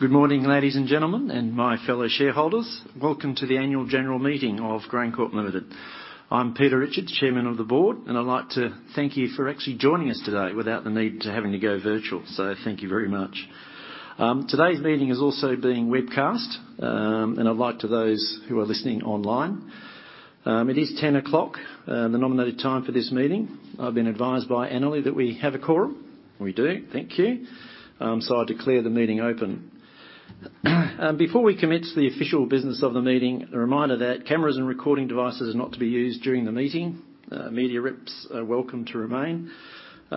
Good morning, ladies and gentlemen, and my fellow shareholders. Welcome to the annual general meeting of GrainCorp Limited. I'm Peter Richards, Chairman of the Board, I'd like to thank you for actually joining us today without the need to having to go virtual. Thank you very much. Today's meeting is also being webcast. I'd like to those who are listening online, it is 10:00, the nominated time for this meeting. I've been advised by Anneli that we have a quorum. We do. Thank you. I declare the meeting open. Before we commit to the official business of the meeting, a reminder that cameras and recording devices are not to be used during the meeting. Media reps are welcome to remain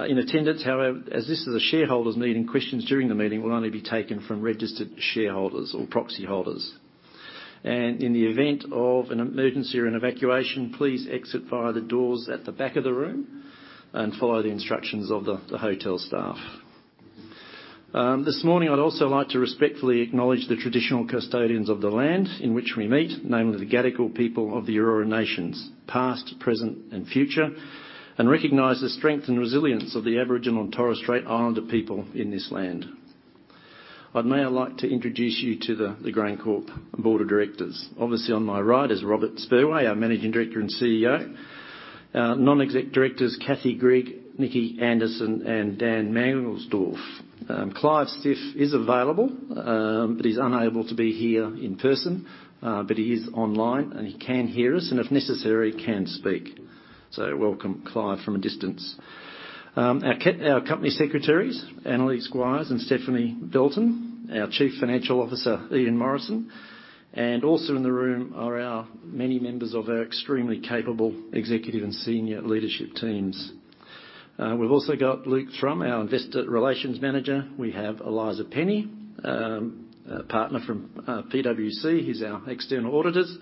in attendance. However, as this is a shareholders meeting, questions during the meeting will only be taken from registered shareholders or proxy holders. In the event of an emergency or an evacuation, please exit via the doors at the back of the room and follow the instructions of the hotel staff. This morning, I'd also like to respectfully acknowledge the traditional custodians of the land in which we meet, namely the Gadigal people of the Eora nations, past, present, and future, and recognize the strength and resilience of the Aboriginal and Torres Strait Islander people in this land. I'd now like to introduce you to the GrainCorp board of directors. Obviously, on my right is Robert Spurway, our Managing Director and CEO. Non-exec directors, Kathy Grigg, Nicki Anderson, and Dan Mangelsdorf. Clive Stiff is available, but he's unable to be here in person. He is online, and he can hear us, and if necessary, can speak. Welcome, Clive, from a distance. Our company secretaries, Annerly Squires and Stephanie Belton. Our chief financial officer, Ian Morrison. Also in the room are our many members of our extremely capable executive and senior leadership teams. We've also got Luke Thrum, our investor relations manager. We have Eliza Penny, a partner from PwC, who's our external auditors.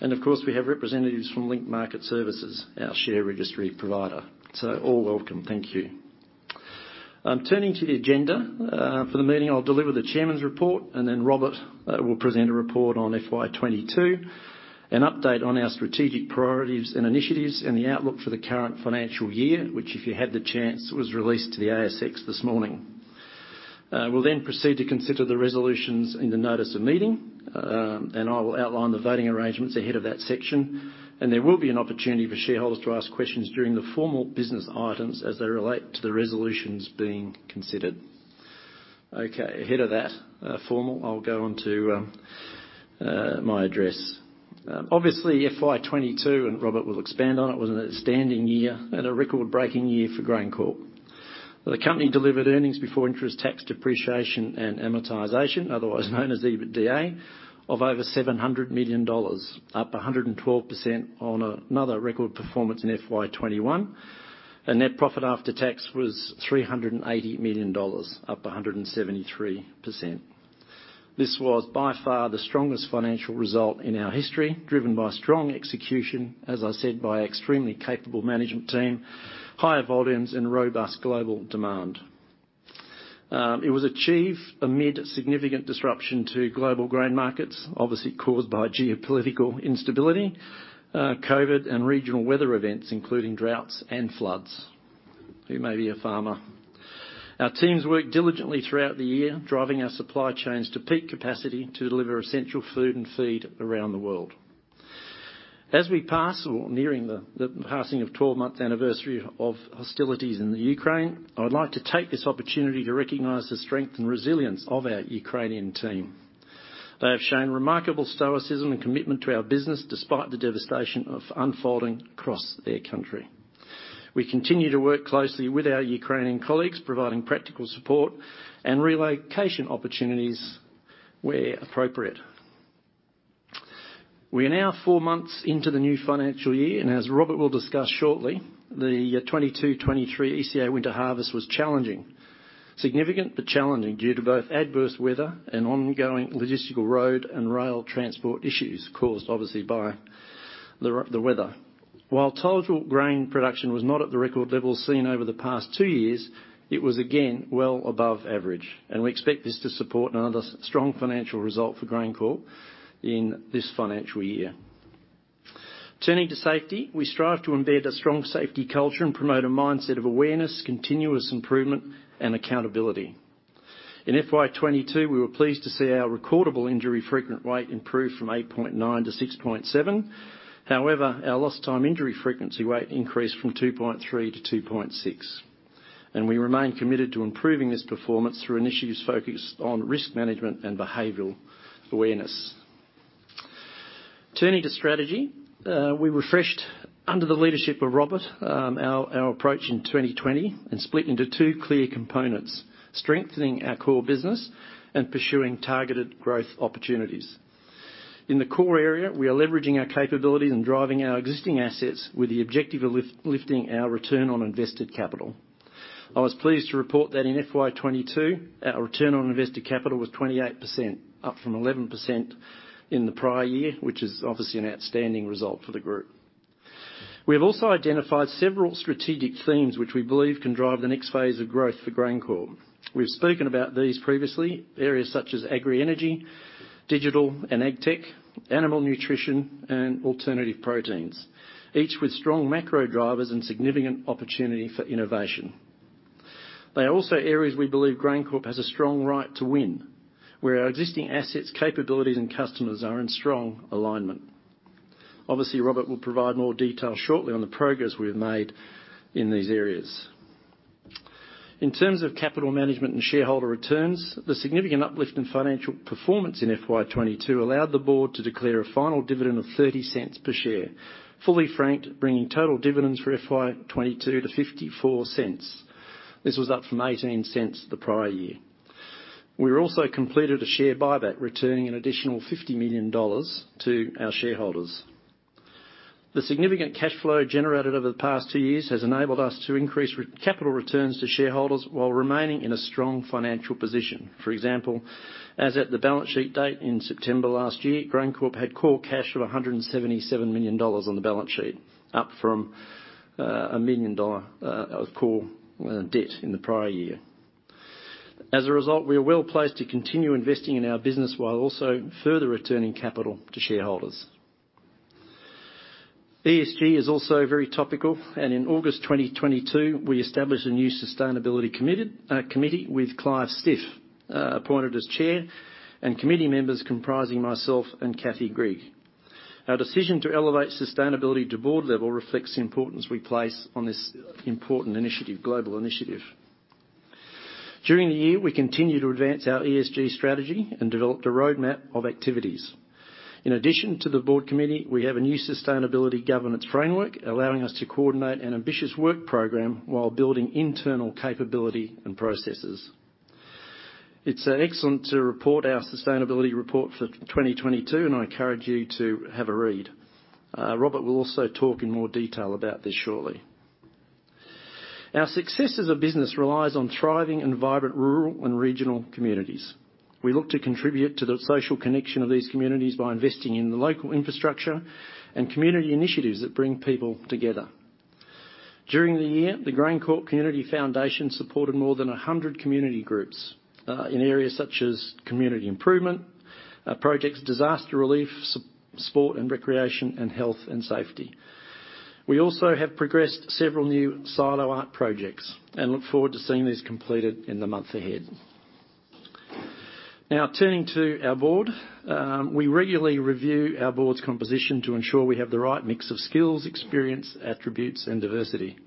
Of course, we have representatives from Link Market Services, our share registry provider. All welcome. Thank you. Turning to the agenda. For the meeting, I'll deliver the chairman's report, Robert will present a report on FY 2022, an update on our strategic priorities and initiatives and the outlook for the current financial year, which if you had the chance, was released to the ASX this morning. We'll then proceed to consider the resolutions in the notice of meeting, I will outline the voting arrangements ahead of that section. There will be an opportunity for shareholders to ask questions during the formal business items as they relate to the resolutions being considered. Okay. Ahead of that, formal, I'll go on to my address. Obviously, FY 2022, Robert will expand on it, was an outstanding year and a record-breaking year for GrainCorp. The company delivered earnings before interest tax depreciation and amortization, otherwise known as EBITDA, of over 700 million dollars, up 112% on another record performance in FY 2021. Net profit after tax was 380 million dollars, up 173%. This was by far the strongest financial result in our history, driven by strong execution, as I said, by extremely capable management team, higher volumes, and robust global demand. It was achieved amid significant disruption to global grain markets, obviously caused by geopolitical instability, COVID and regional weather events, including droughts and floods. You may be a farmer. Our teams worked diligently throughout the year, driving our supply chains to peak capacity to deliver essential food and feed around the world. As we pass or nearing the passing of 12-month anniversary of hostilities in Ukraine, I would like to take this opportunity to recognize the strength and resilience of our Ukrainian team. They have shown remarkable stoicism and commitment to our business despite the devastation of unfolding across their country. We continue to work closely with our Ukrainian colleagues, providing practical support and relocation opportunities where appropriate. We are now four months into the new financial year. As Robert will discuss shortly, the 2022, 2023 ECA winter harvest was challenging. Significant but challenging due to both adverse weather and ongoing logistical road and rail transport issues caused obviously by the weather. While total grain production was not at the record levels seen over the past two years, it was again well above average, and we expect this to support another strong financial result for GrainCorp in this financial year. Turning to safety, we strive to embed a strong safety culture and promote a mindset of awareness, continuous improvement, and accountability. In FY22, we were pleased to see our Recordable Injury Frequency Rate improve from 8.9 to 6.7. However, our lost time injury frequency rate increased from 2.3 to 2.6. We remain committed to improving this performance through initiatives focused on risk management and behavioral awareness. Turning to strategy, we refreshed under the leadership of Robert, our approach in 2020 and split into two clear components, strengthening our core business and pursuing targeted growth opportunities. In the core area, we are leveraging our capabilities and driving our existing assets with the objective of lifting our return on invested capital. I was pleased to report that in FY22, our return on invested capital was 28%, up from 11% in the prior year, which is obviously an outstanding result for the group. We have also identified several strategic themes which we believe can drive the next phase of growth for GrainCorp. We've spoken about these previously, areas such as agri energy-Digital and agtech, animal nutrition and alternative proteins. Each with strong macro drivers and significant opportunity for innovation. They are also areas we believe GrainCorp has a strong right to win, where our existing assets, capabilities and customers are in strong alignment. Robert will provide more detail shortly on the progress we've made in these areas. In terms of capital management and shareholder returns, the significant uplift in financial performance in FY 2022 allowed the board to declare a final dividend of 0.30 per share, fully franked, bringing total dividends for FY 2022 to 0.54. This was up from 0.18 the prior year. We also completed a share buyback, returning an additional 50 million dollars to our shareholders. The significant cash flow generated over the past 2 years has enabled us to increase capital returns to shareholders while remaining in a strong financial position. For example, as at the balance sheet date in September last year, GrainCorp had core cash of 177 million dollars on the balance sheet, up from 1 million dollar of core debt in the prior year. As a result, we are well-placed to continue investing in our business while also further returning capital to shareholders. ESG is also very topical, and in August 2022, we established a new Sustainability Committee with Clive Stiff appointed as chair and committee members comprising myself and Kathy Grigg. Our decision to elevate sustainability to board level reflects the importance we place on this important initiative, global initiative. During the year, we continued to advance our ESG strategy and developed a roadmap of activities. In addition to the board committee, we have a new sustainability governance framework, allowing us to coordinate an ambitious work program while building internal capability and processes. It's excellent to report our sustainability report for 2022, and I encourage you to have a read. Robert will also talk in more detail about this shortly. Our success as a business relies on thriving and vibrant rural and regional communities. We look to contribute to the social connection of these communities by investing in the local infrastructure and community initiatives that bring people together. During the year, the GrainCorp Community Foundation supported more than 100 community groups in areas such as community improvement projects, disaster relief, sport and recreation, and health and safety. We also have progressed several new silo art projects and look forward to seeing these completed in the months ahead. Now turning to our board. We regularly review our board's composition to ensure we have the right mix of skills, experience, attributes and diversity.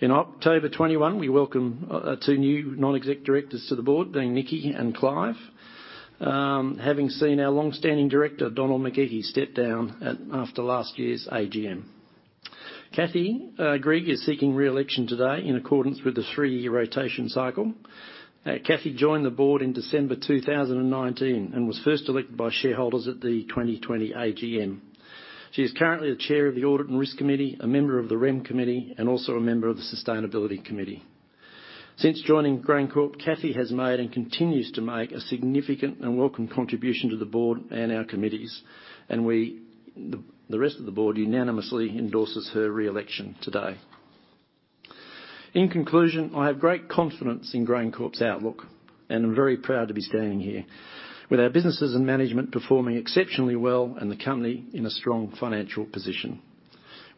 In October 2021, we welcomed two new Non-Executive Directors to the board, being Nicki and Clive. Having seen our long-standing director, Donald McGauchie, step down after last year's AGM. Kathy Grigg is seeking re-election today in accordance with the 3-year rotation cycle. Kathy joined the board in December 2019 and was first elected by shareholders at the 2020 AGM. She is currently the chair of the Audit and Risk Committee, a member of the Rem Committee, and also a member of the Sustainability Committee. Since joining GrainCorp, Kathy has made and continues to make a significant and welcome contribution to the board and our committees, and we, the rest of the board unanimously endorses her re-election today. In conclusion, I have great confidence in GrainCorp's outlook, and I'm very proud to be standing here. With our businesses and management performing exceptionally well and the company in a strong financial position.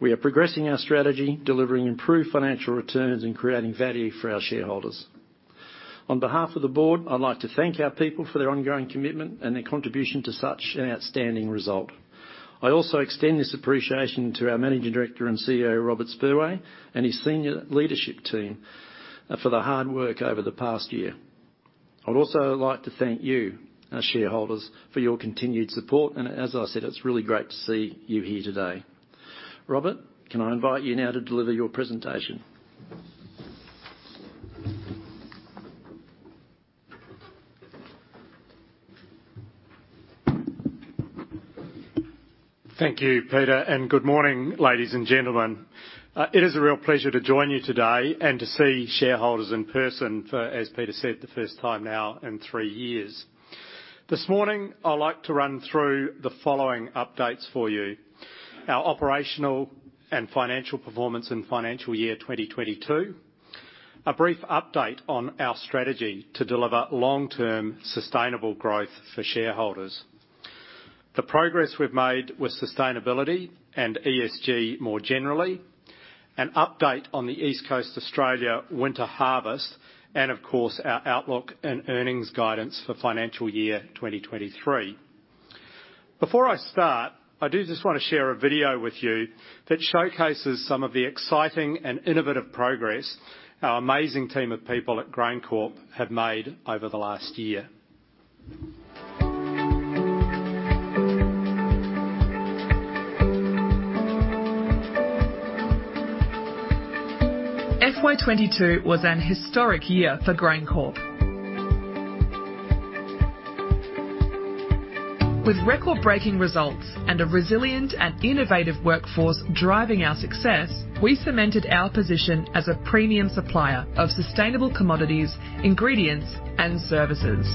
We are progressing our strategy, delivering improved financial returns and creating value for our shareholders. On behalf of the board, I'd like to thank our people for their ongoing commitment and their contribution to such an outstanding result. I also extend this appreciation to our Managing Director and CEO, Robert Spurway, and his senior leadership team for the hard work over the past year. I'd also like to thank you, our shareholders, for your continued support. As I said, it's really great to see you here today. Robert, can I invite you now to deliver your presentation? Thank you, Peter. Good morning, ladies and gentlemen. It is a real pleasure to join you today and to see shareholders in person for, as Peter said, the first time now in 3 years. This morning, I'd like to run through the following updates for you. Our operational and financial performance in financial year 2022. A brief update on our strategy to deliver long-term sustainable growth for shareholders. The progress we've made with sustainability and ESG more generally. An update on the East Coast Australia winter harvest, of course, our outlook and earnings guidance for financial year 2023. Before I start, I do just wanna share a video with you that showcases some of the exciting and innovative progress our amazing team of people at GrainCorp have made over the last year. FY 2022 was an historic year for GrainCorp. With record-breaking results and a resilient and innovative workforce driving our success, we cemented our position as a premium supplier of sustainable commodities, ingredients and services.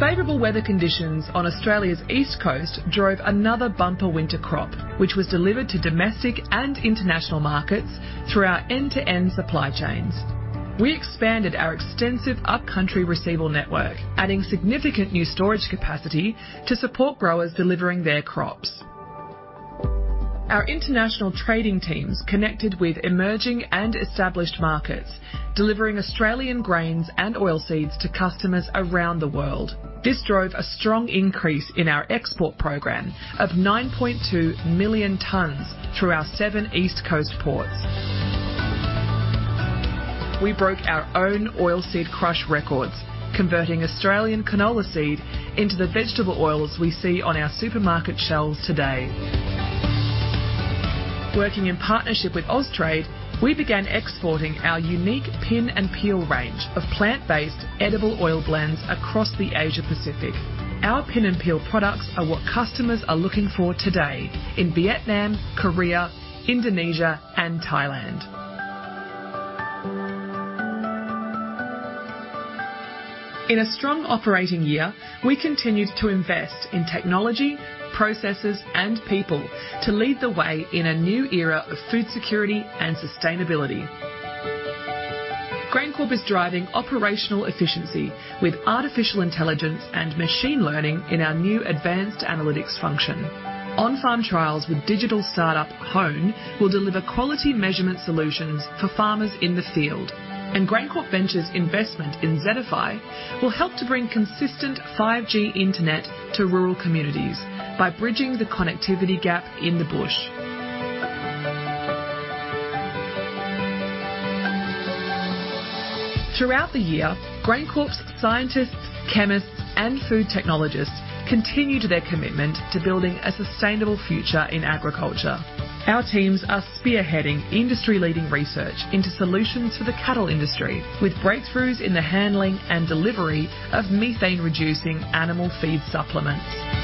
Favorable weather conditions on Australia's East Coast drove another bumper winter crop, which was delivered to domestic and international markets through our end-to-end supply chains. We expanded our extensive upcountry receivable network, adding significant new storage capacity to support growers delivering their crops. Our international trading teams connected with emerging and established markets, delivering Australian grains and oilseeds to customers around the world. This drove a strong increase in our export program of 9.2 million tons through our 7 East Coast ports. We broke our own oilseed crush records, converting Australian canola seed into the vegetable oils we see on our supermarket shelves today. Working in partnership with Austrade, we began exporting our unique Pinnacle range of plant-based edible oil blends across the Asia Pacific. Our Pinnacle products are what customers are looking for today in Vietnam, Korea, Indonesia, and Thailand. In a strong operating year, we continued to invest in technology, processes, and people to lead the way in a new era of food security and sustainability. GrainCorp is driving operational efficiency with artificial intelligence and machine learning in our new advanced analytics function. On-farm trials with digital startup Hone will deliver quality measurement solutions for farmers in the field. GrainCorp Ventures' investment in Zetifi will help to bring consistent 5G internet to rural communities by bridging the connectivity gap in the bush. Throughout the year, GrainCorp's scientists, chemists, and food technologists continued their commitment to building a sustainable future in agriculture. Our teams are spearheading industry-leading research into solutions for the cattle industry, with breakthroughs in the handling and delivery of methane-reducing animal feed supplements.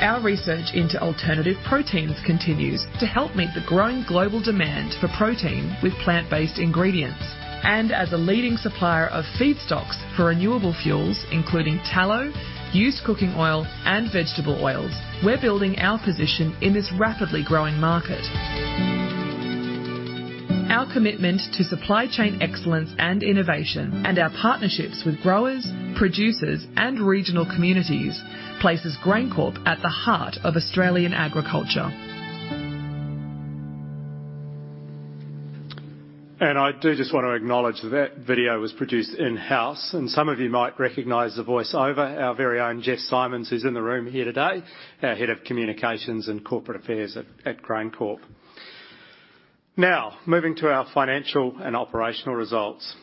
Our research into alternative proteins continues to help meet the growing global demand for protein with plant-based ingredients. As a leading supplier of feedstocks for renewable fuels, including tallow, used cooking oil, and vegetable oils, we're building our position in this rapidly growing market. Our commitment to supply chain excellence and innovation, and our partnerships with growers, producers, and regional communities places GrainCorp at the heart of Australian agriculture. I do just want to acknowledge that that video was produced in-house, and some of you might recognize the voiceover, our very own Jess Simons, who's in the room here today, our head of communications and corporate affairs at GrainCorp. Moving to our financial and operational results.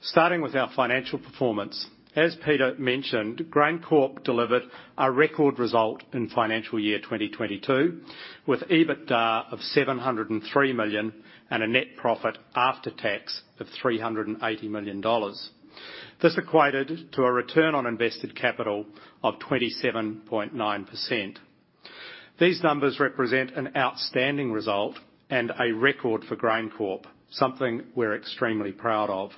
Starting with our financial performance. As Peter mentioned, GrainCorp delivered a record result in financial year 2022, with EBITDA of AUD 703 million and a net profit after tax of AUD 380 million. This equated to a return on invested capital of 27.9%. These numbers represent an outstanding result and a record for GrainCorp, something we're extremely proud of.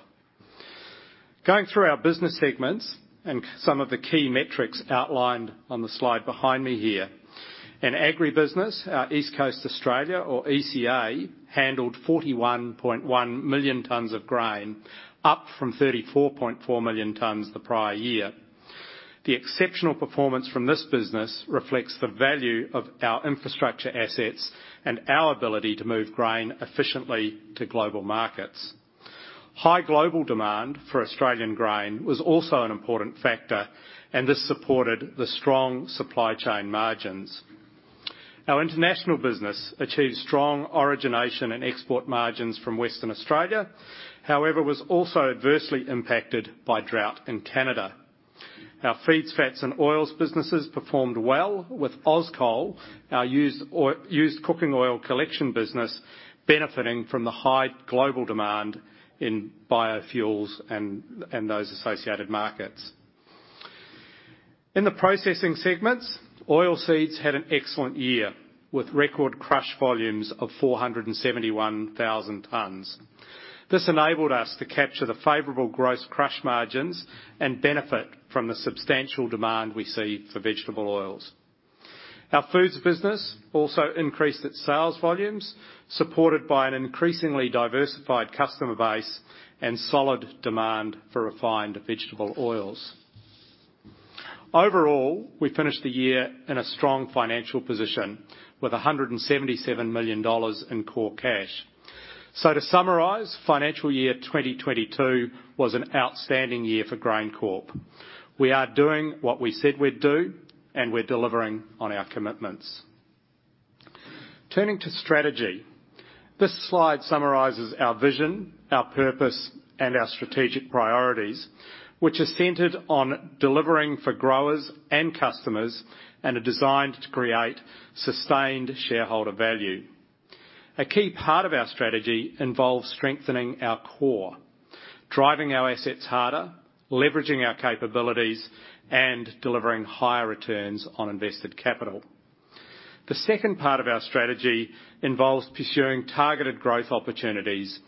Going through our business segments and some of the key metrics outlined on the slide behind me here. In agribusiness, our East Coast Australia, or ECA, handled 41.1 million tons of grain, up from 34.4 million tons the prior year. The exceptional performance from this business reflects the value of our infrastructure assets and our ability to move grain efficiently to global markets. High global demand for Australian grain was also an important factor, and this supported the strong supply chain margins. Our international business achieved strong origination and export margins from Western Australia, however, was also adversely impacted by drought in Canada. Our feeds, fats, and oils businesses performed well with Auscol, our used cooking oil collection business benefiting from the high global demand in biofuels and those associated markets. In the processing segments, oilseeds had an excellent year with record crush volumes of 471,000 tons. This enabled us to capture the favorable gross crush margins and benefit from the substantial demand we see for vegetable oils. Our foods business also increased its sales volumes, supported by an increasingly diversified customer base and solid demand for refined vegetable oils. Overall, we finished the year in a strong financial position with 177 million dollars in core cash. To summarize, financial year 2022 was an outstanding year for GrainCorp. We are doing what we said we'd do, and we're delivering on our commitments. Turning to strategy, this slide summarizes our vision, our purpose, and our strategic priorities, which are centered on delivering for growers and customers and are designed to create sustained shareholder value. A key part of our strategy involves strengthening our core, driving our assets harder, leveraging our capabilities, and delivering higher returns on invested capital. The second part of our strategy involves pursuing targeted growth opportunities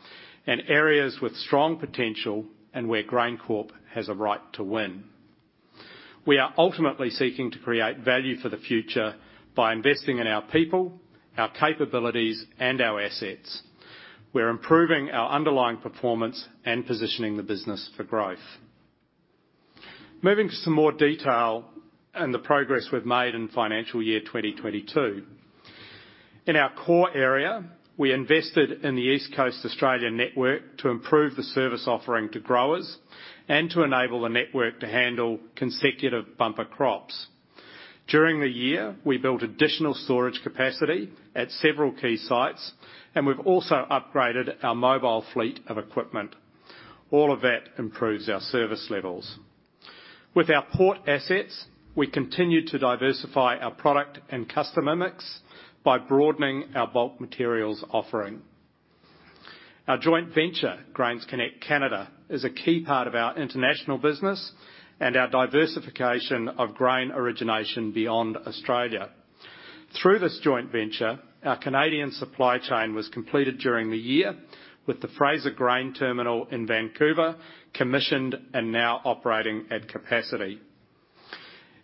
in areas with strong potential and where GrainCorp has a right to win. We are ultimately seeking to create value for the future by investing in our people, our capabilities, and our assets. We're improving our underlying performance and positioning the business for growth. Moving to some more detail and the progress we've made in financial year 2022. In our core area, we invested in the East Coast Australia network to improve the service offering to growers and to enable the network to handle consecutive bumper crops. During the year, we built additional storage capacity at several key sites, and we've also upgraded our mobile fleet of equipment. All of that improves our service levels. With our port assets, we continue to diversify our product and customer mix by broadening our bulk materials offering. Our joint venture, GrainsConnect Canada, is a key part of our international business and our diversification of grain origination beyond Australia. Through this joint venture, our Canadian supply chain was completed during the year with the Fraser Grain Terminal in Vancouver commissioned and now operating at capacity.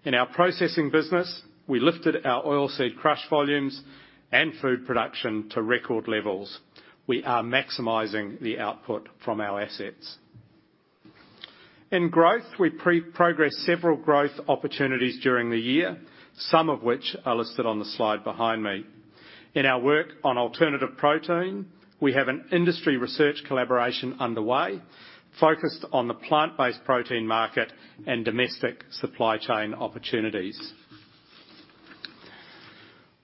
In our processing business, we lifted our oil seed crush volumes and food production to record levels. We are maximizing the output from our assets. In growth, we pre-progressed several growth opportunities during the year, some of which are listed on the slide behind me. In our work on alternative protein, we have an industry research collaboration underway focused on the plant-based protein market and domestic supply chain opportunities.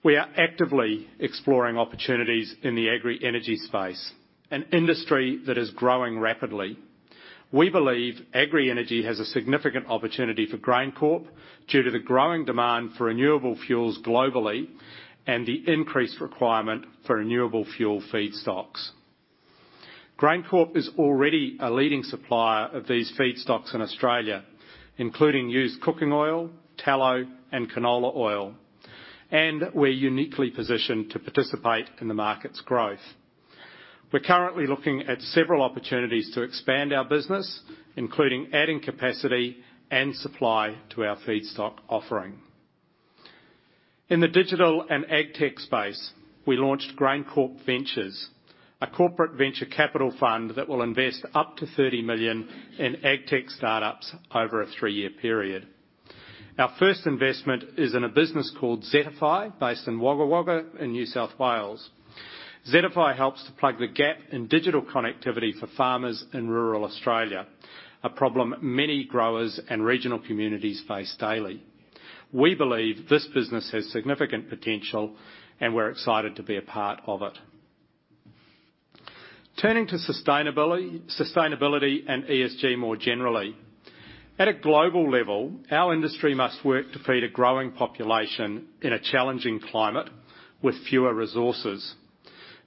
We are actively exploring opportunities in the agri energy space, an industry that is growing rapidly. We believe agri energy has a significant opportunity for GrainCorp due to the growing demand for renewable fuels globally and the increased requirement for renewable fuel feedstocks. GrainCorp is already a leading supplier of these feedstocks in Australia, including used cooking oil, tallow, and canola oil. We're uniquely positioned to participate in the market's growth. We're currently looking at several opportunities to expand our business, including adding capacity and supply to our feedstock offering. In the digital and ag tech space, we launched GrainCorp Ventures, a corporate venture capital fund that will invest up to 30 million in ag tech startups over a 3-year period. Our first investment is in a business called Zetifi, based in Wagga Wagga in New South Wales. Zetifi helps to plug the gap in digital connectivity for farmers in rural Australia, a problem many growers and regional communities face daily. We believe this business has significant potential, and we're excited to be a part of it. Turning to sustainability and ESG more generally. At a global level, our industry must work to feed a growing population in a challenging climate with fewer resources.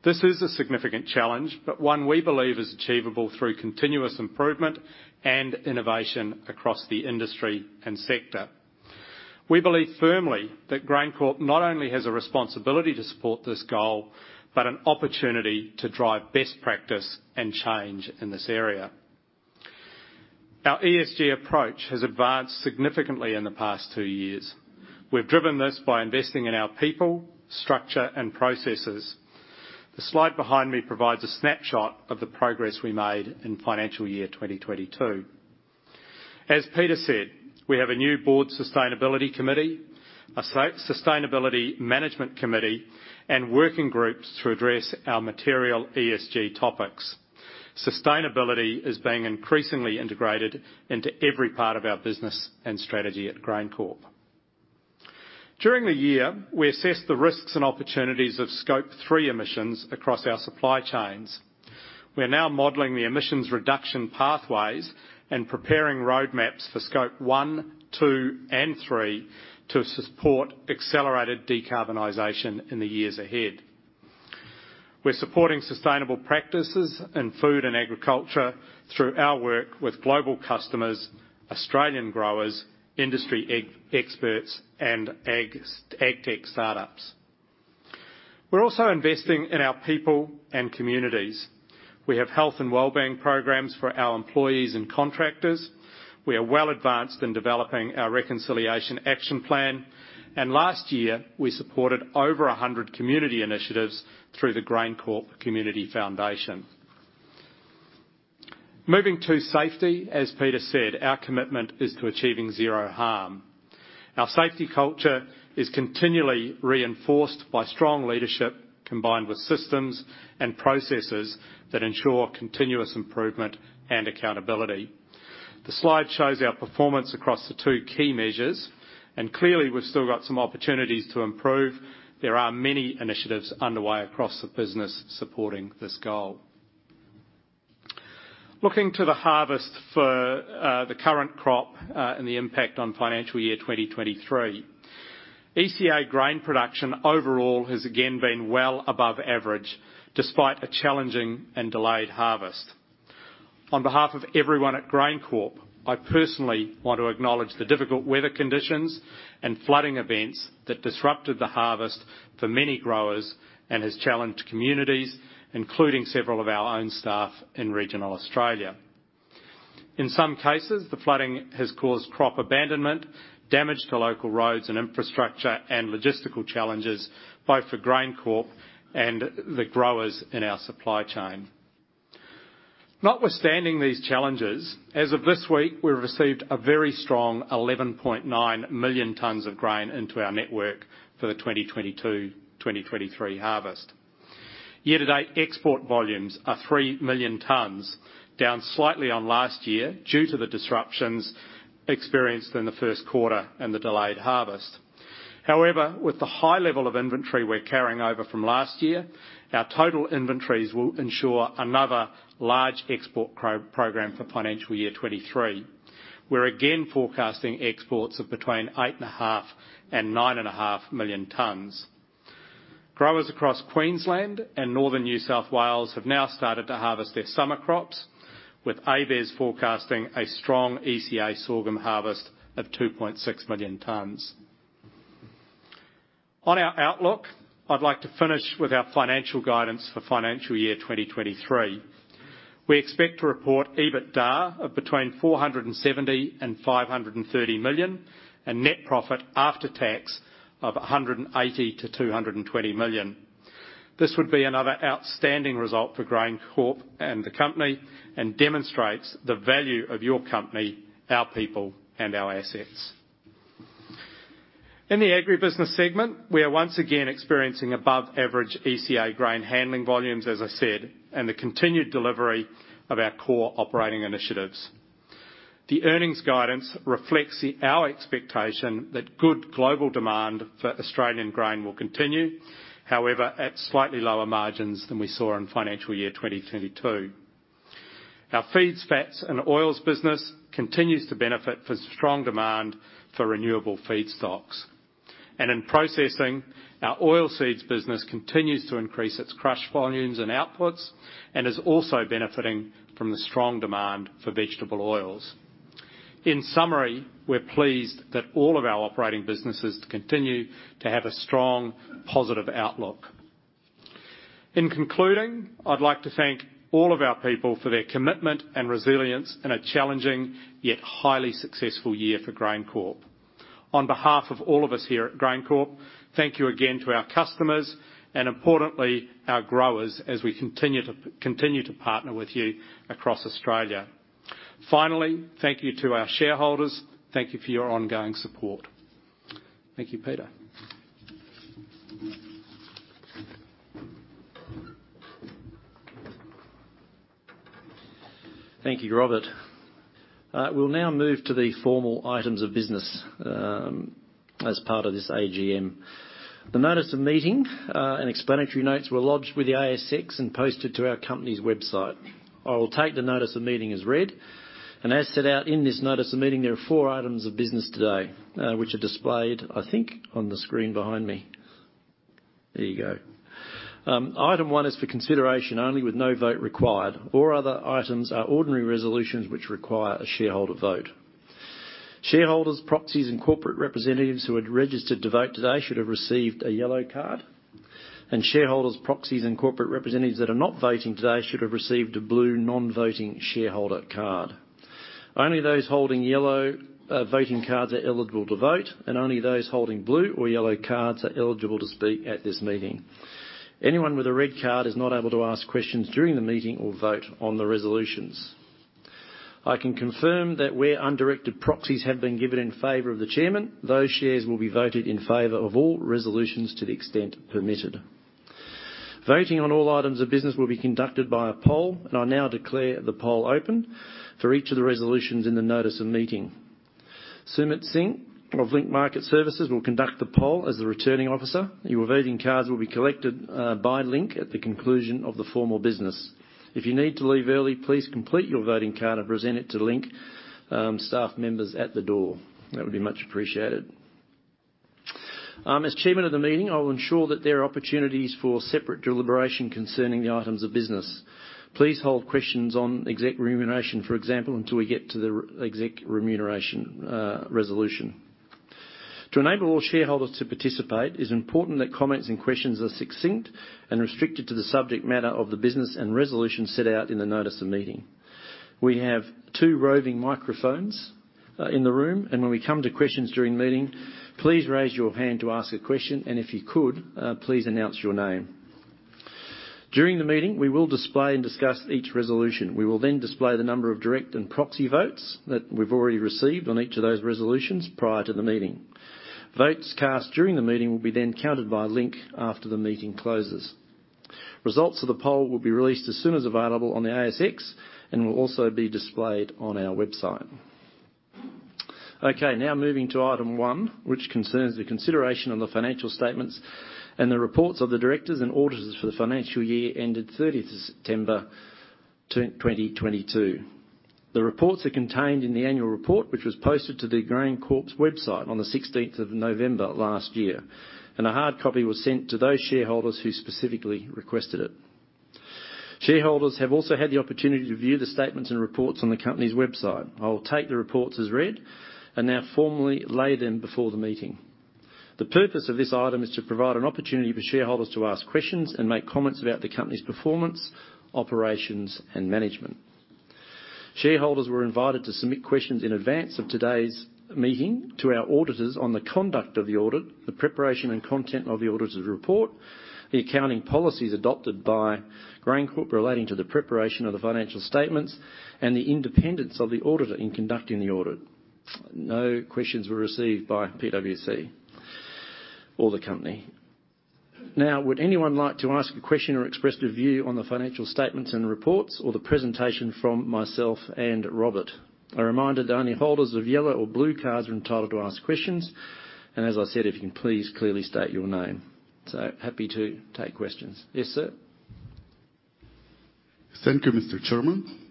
This is a significant challenge, but one we believe is achievable through continuous improvement and innovation across the industry and sector. We believe firmly that GrainCorp not only has a responsibility to support this goal, but an opportunity to drive best practice and change in this area. Our ESG approach has advanced significantly in the past two years. We've driven this by investing in our people, structure, and processes. The slide behind me provides a snapshot of the progress we made in financial year 2022. As Peter said, we have a new board sustainability committee, a sustainability management committee, and working groups to address our material ESG topics. Sustainability is being increasingly integrated into every part of our business and strategy at GrainCorp. During the year, we assessed the risks and opportunities of Scope 3 emissions across our supply chains. We're now modeling the emissions reduction pathways and preparing roadmaps for Scope 1, 2, and 3 to support accelerated decarbonization in the years ahead. We're supporting sustainable practices in food and agriculture through our work with global customers, Australian growers, industry experts, and ag tech startups. We're also investing in our people and communities. We have health and wellbeing programs for our employees and contractors. We are well advanced in developing our reconciliation action plan. Last year, we supported over 100 community initiatives through the GrainCorp Community Foundation. Moving to safety, as Peter said, our commitment is to achieving zero harm. Our safety culture is continually reinforced by strong leadership, combined with systems and processes that ensure continuous improvement and accountability. The slide shows our performance across the two key measures, and clearly, we've still got some opportunities to improve. There are many initiatives underway across the business supporting this goal. Looking to the harvest for the current crop and the impact on financial year 2023. ECA grain production overall has again been well above average despite a challenging and delayed harvest. On behalf of everyone at GrainCorp, I personally want to acknowledge the difficult weather conditions and flooding events that disrupted the harvest for many growers and has challenged communities, including several of our own staff in regional Australia. In some cases, the flooding has caused crop abandonment, damage to local roads and infrastructure, and logistical challenges both for GrainCorp and the growers in our supply chain. Notwithstanding these challenges, as of this week, we've received a very strong 11.9 million tons of grain into our network for the 2022/2023 harvest. Year-to-date export volumes are 3 million tons, down slightly on last year due to the disruptions experienced in the first quarter and the delayed harvest. With the high level of inventory we're carrying over from last year, our total inventories will ensure another large export pro-program for financial year 23. We're again forecasting exports of between 8.5 million and 9.5 million tons. Growers across Queensland and Northern New South Wales have now started to harvest their summer crops, with ABARES forecasting a strong ECA sorghum harvest of 2.6 million tons. On our outlook, I'd like to finish with our financial guidance for financial year 2023. We expect to report EBITDA of between 470 million and 530 million, and net profit after tax of 180 million-220 million. This would be another outstanding result for GrainCorp and the company, demonstrates the value of your company, our people, and our assets. In the agribusiness segment, we are once again experiencing above average ECA grain handling volumes, as I said, the continued delivery of our core operating initiatives. The earnings guidance reflects our expectation that good global demand for Australian grain will continue, however, at slightly lower margins than we saw in financial year 2022. Our feeds, fats, and oils business continues to benefit from strong demand for renewable feedstocks. In processing, our oilseeds business continues to increase its crush volumes and outputs, and is also benefiting from the strong demand for vegetable oils. In summary, we're pleased that all of our operating businesses continue to have a strong, positive outlook. In concluding, I'd like to thank all of our people for their commitment and resilience in a challenging, yet highly successful year for GrainCorp. On behalf of all of us here at GrainCorp, thank you again to our customers and importantly, our growers, as we continue to partner with you across Australia. Finally, thank you to our shareholders. Thank you for your ongoing support. Thank you, Peter. Thank you, Robert. We'll now move to the formal items of business as part of this AGM. The notice of meeting and explanatory notes were lodged with the ASX and posted to our company's website. I will take the notice of meeting as read, and as set out in this notice of meeting, there are 4 items of business today which are displayed, I think, on the screen behind me. There you go. Item 1 is for consideration only with no vote required. All other items are ordinary resolutions which require a shareholder vote. Shareholders, proxies, and corporate representatives who had registered to vote today should have received a yellow card. Shareholders, proxies, and corporate representatives that are not voting today should have received a blue non-voting shareholder card. Only those holding yellow voting cards are eligible to vote. Only those holding blue or yellow cards are eligible to speak at this meeting. Anyone with a red card is not able to ask questions during the meeting or vote on the resolutions. I can confirm that where undirected proxies have been given in favor of the chairman, those shares will be voted in favor of all resolutions to the extent permitted. Voting on all items of business will be conducted by a poll. I now declare the poll open for each of the resolutions in the notice of meeting. Sumit Singh of Link Market Services will conduct the poll as the Returning Officer. Your voting cards will be collected by Link at the conclusion of the formal business. If you need to leave early, please complete your voting card and present it to Link staff members at the door. That would be much appreciated. As Chairman of the meeting, I will ensure that there are opportunities for separate deliberation concerning the items of business. Please hold questions on exec remuneration, for example, until we get to the exec remuneration resolution. To enable all shareholders to participate, it is important that comments and questions are succinct and restricted to the subject matter of the business and resolutions set out in the notice of meeting. We have two roving microphones in the room, and when we come to questions during the meeting, please raise your hand to ask a question, and if you could please announce your name. During the meeting, we will display and discuss each resolution. We will then display the number of direct and proxy votes that we've already received on each of those resolutions prior to the meeting. Votes cast during the meeting will be then counted by Link after the meeting closes. Results of the poll will be released as soon as available on the ASX and will also be displayed on our website. Okay, now moving to item one, which concerns the consideration of the financial statements and the reports of the directors and auditors for the financial year ended 30th of September, 2022. The reports are contained in the annual report, which was posted to the GrainCorp's website on the 16th of November last year, and a hard copy was sent to those shareholders who specifically requested it. Shareholders have also had the opportunity to view the statements and reports on the company's website. I will take the reports as read and now formally lay them before the meeting. The purpose of this item is to provide an opportunity for shareholders to ask questions and make comments about the company's performance, operations, and management. Shareholders were invited to submit questions in advance of today's meeting to our auditors on the conduct of the audit, the preparation and content of the auditor's report, the accounting policies adopted by GrainCorp relating to the preparation of the financial statements, and the independence of the auditor in conducting the audit. No questions were received by PwC or the company. Would anyone like to ask a question or express their view on the financial statements and reports or the presentation from myself and Robert? A reminder that only holders of yellow or blue cards are entitled to ask questions, and as I said, if you can please clearly state your name. Happy to take questions. Yes, sir. Thank you, Mr. Chairman.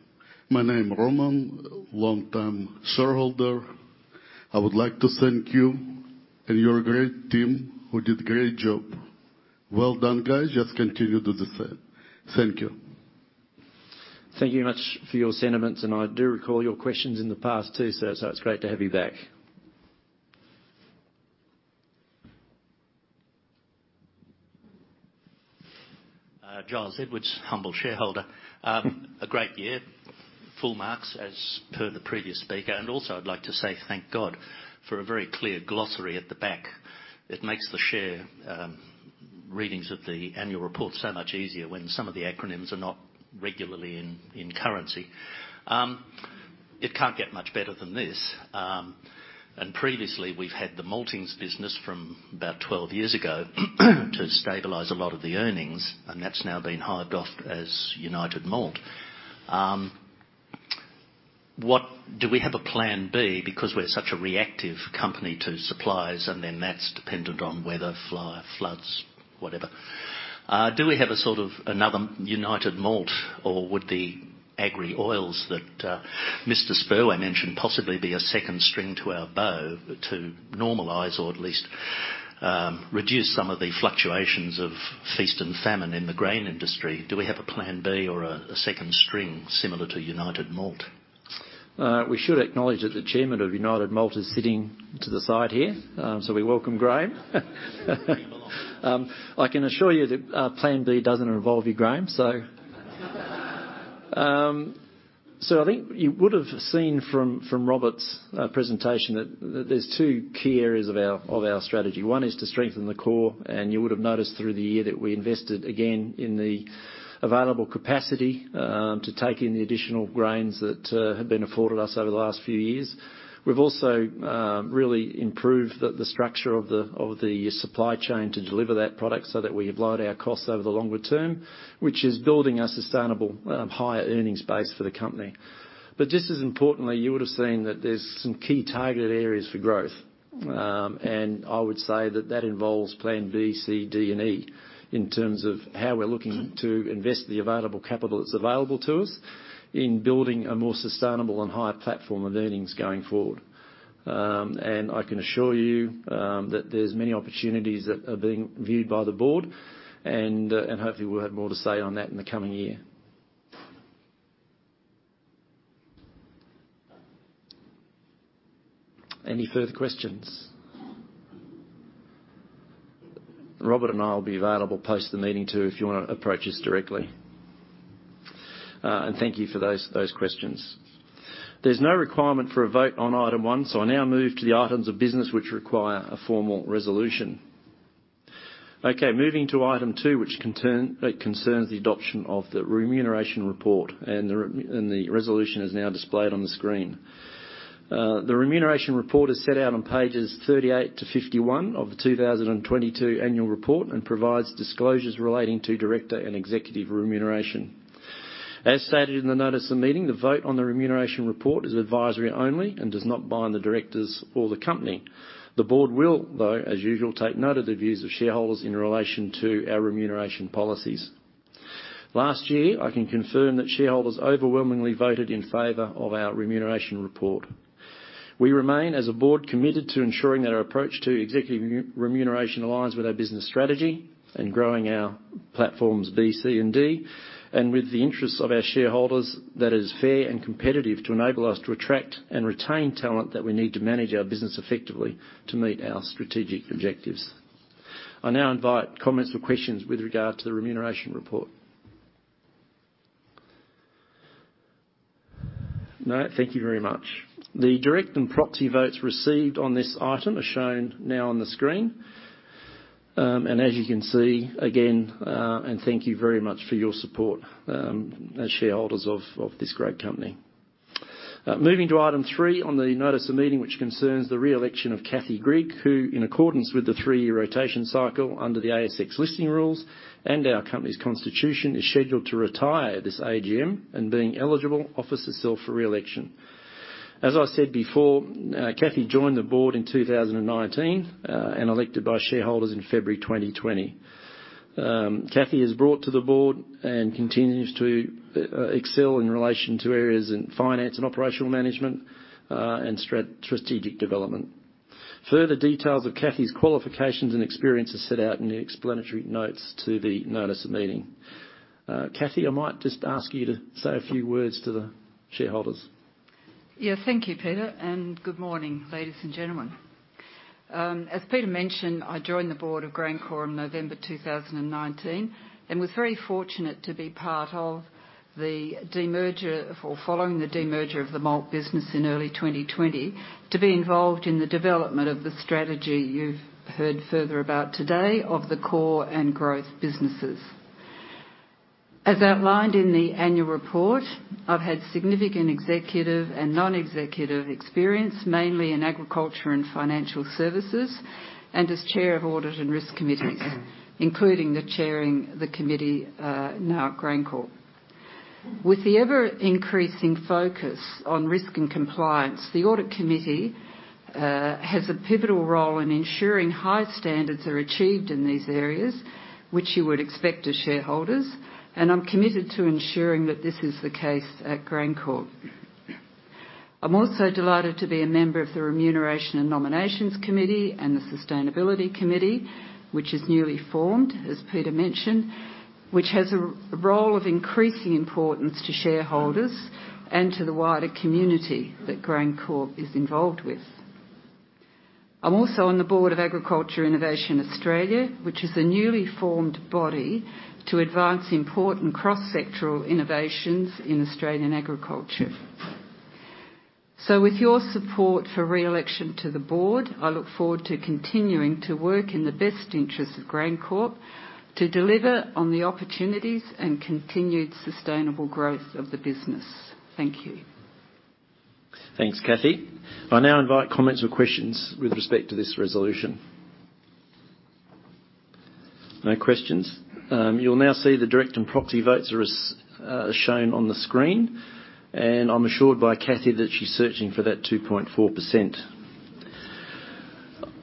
My name Roman, long-term shareholder. I would like to thank you and your great team who did a great job. Well done, guys. Just continue to do so. Thank you. Thank you much for your sentiments. I do recall your questions in the past too, sir, so it's great to have you back. Giles Edwards, humble shareholder. A great year. Full marks, as per the previous speaker, and also I'd like to say thank God for a very clear glossary at the back. It makes the share, readings of the annual report so much easier when some of the acronyms are not regularly in currency. It can't get much better than this. Previously, we've had the maltings business from about 12 years ago to stabilize a lot of the earnings, and that's now been hived off as United Malt. What... Do we have a plan B? Because we're such a reactive company to suppliers, and then that's dependent on weather, fly, floods, whatever. Do we have a, sort of, another United Malt, or would the agri oils that, Mr. Spurway mentioned possibly be a second string to our bow to normalize or at least, reduce some of the fluctuations of feast and famine in the grain industry? Do we have a plan B or a second string similar to United Malt? We should acknowledge that the chairman of United Malt is sitting to the side here. We welcome Graham. I can assure you that plan B doesn't involve you, Graham. I think you would have seen from Robert's presentation that there's two key areas of our strategy. One is to strengthen the core, and you would have noticed through the year that we invested again in the available capacity to take in the additional grains that have been afforded us over the last few years. We've also really improved the structure of the supply chain to deliver that product so that we've lowered our costs over the longer term, which is building a sustainable higher earnings base for the company. Just as importantly, you would have seen that there's some key targeted areas for growth. I would say that that involves plan B, C, D, and E, in terms of how we're looking to invest the available capital that's available to us in building a more sustainable and higher platform of earnings going forward. I can assure you that there's many opportunities that are being viewed by the board, and hopefully we'll have more to say on that in the coming year. Any further questions? Robert and I will be available post the meeting too if you wanna approach us directly. Thank you for those questions. There's no requirement for a vote on item one. I now move to the items of business which require a formal resolution. Okay, moving to item 2, which concerns the adoption of the remuneration report, and the resolution is now displayed on the screen. The remuneration report is set out on pages 38 to 51 of the 2022 annual report and provides disclosures relating to director and executive remuneration. As stated in the notice of meeting, the vote on the remuneration report is advisory only and does not bind the directors or the company. The board will, though, as usual, take note of the views of shareholders in relation to our remuneration policies. Last year, I can confirm that shareholders overwhelmingly voted in favor of our remuneration report. We remain, as a board, committed to ensuring that our approach to executive remuneration aligns with our business strategy and growing our platforms B, C, and D. With the interests of our shareholders that is fair and competitive to enable us to attract and retain talent that we need to manage our business effectively to meet our strategic objectives. I now invite comments or questions with regard to the remuneration report. No? Thank you very much. The direct and proxy votes received on this item are shown now on the screen. As you can see, again, thank you very much for your support, as shareholders of this great company. Moving to item 3 on the notice of meeting, which concerns the reelection of Kathy Grigg, who, in accordance with the 3-year rotation cycle under the ASX Listing Rules and our company's constitution, is scheduled to retire this AGM and being eligible, offers herself for reelection. I said before, Kathy joined the board in 2019 and elected by shareholders in February 2020. Kathy has brought to the board and continues to excel in relation to areas in finance and operational management and strategic development. Further details of Kathy's qualifications and experience are set out in the explanatory notes to the notice of meeting. Kathy, I might just ask you to say a few words to the shareholders. Thank you, Peter. Good morning, ladies and gentlemen. As Peter mentioned, I joined the board of GrainCorp in November 2019, was very fortunate to be part of the demerger or following the demerger of the malt business in early 2020 to be involved in the development of the strategy you've heard further about today of the core and growth businesses. As outlined in the annual report, I've had significant executive and non-executive experience, mainly in agriculture and financial services, as chair of Audit and Risk Committees, including the chairing the committee now at GrainCorp. With the ever-increasing focus on risk and compliance, the Audit Committee has a pivotal role in ensuring high standards are achieved in these areas, which you would expect as shareholders, I'm committed to ensuring that this is the case at GrainCorp. I'm also delighted to be a member of the Remuneration and Nominations Committee and the Sustainability Committee, which is newly formed, as Peter mentioned, which has a role of increasing importance to shareholders and to the wider community that GrainCorp is involved with. I'm also on the board of Agricultural Innovation Australia, which is a newly formed body to advance important cross-sectoral innovations in Australian agriculture. With your support for re-election to the board, I look forward to continuing to work in the best interest of GrainCorp to deliver on the opportunities and continued sustainable growth of the business. Thank you. Thanks, Kathy. I now invite comments or questions with respect to this resolution. No questions. You'll now see the direct and proxy votes are shown on the screen, and I'm assured by Cathy that she's searching for that 2.4%.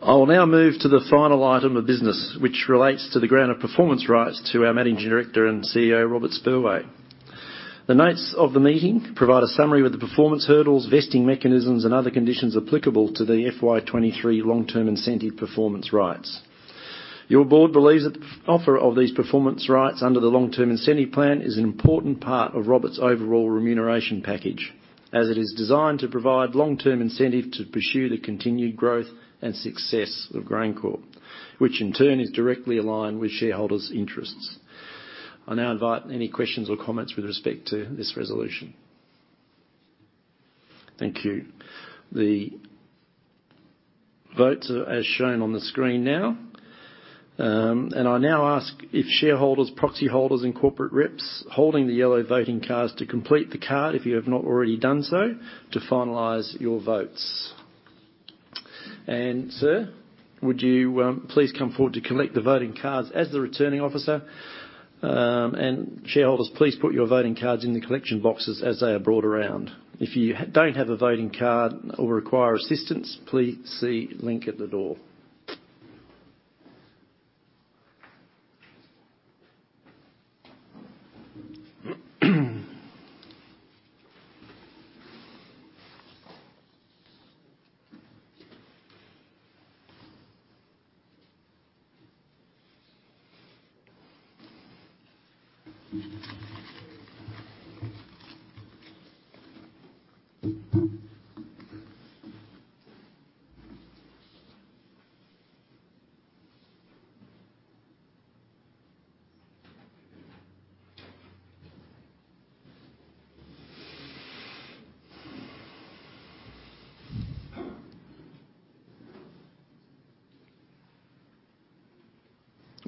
I will now move to the final item of business which relates to the grant of performance rights to our Managing Director and CEO, Robert Spurway. The notes of the meeting provide a summary of the performance hurdles, vesting mechanisms, and other conditions applicable to the FY 2023 long-term incentive performance rights. Your board believes that the offer of these performance rights under the long-term incentive plan is an important part of Robert's overall remuneration package, as it is designed to provide long-term incentive to pursue the continued growth and success of GrainCorp, which in turn is directly aligned with shareholders' interests. I now invite any questions or comments with respect to this resolution. Thank you. The votes are as shown on the screen now. I now ask if shareholders, proxy holders, and corporate reps holding the yellow voting cards to complete the card if you have not already done so to finalize your votes. Sir, would you please come forward to collect the voting cards as the returning officer. Shareholders, please put your voting cards in the collection boxes as they are brought around. If you don't have a voting card or require assistance, please see Link at the door.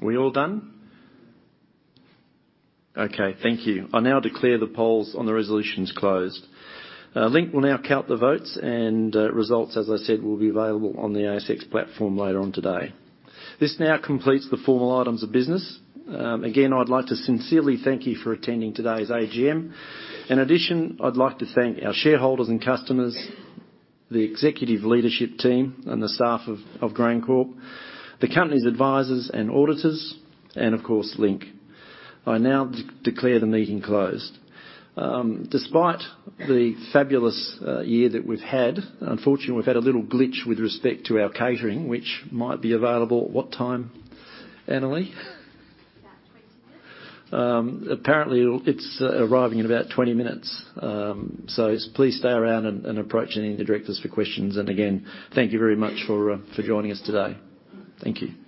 Are we all done? Okay. Thank you. I now declare the polls on the resolutions closed. Link will now count the votes and results, as I said, will be available on the ASX platform later on today. This now completes the formal items of business. Again, I'd like to sincerely thank you for attending today's AGM. In addition, I'd like to thank our shareholders and customers, the executive leadership team and the staff of GrainCorp, the company's advisors and auditors, and of course, Link. I now declare the meeting closed. Despite the fabulous year that we've had, unfortunately, we've had a little glitch with respect to our catering, which might be available, what time, Annalie? About 20 minutes. Apparently it's arriving in about 20 minutes. Please stay around and approach any of the directors for questions. Again, thank you very much for joining us today. Thank you.